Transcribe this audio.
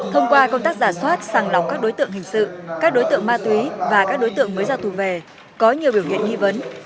thông qua công tác giả soát sàng lọc các đối tượng hình sự các đối tượng ma túy và các đối tượng mới ra tù về có nhiều biểu hiện nghi vấn